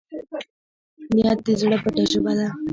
نیت د زړه پټه ژبه ده.